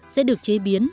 sẽ được chế biến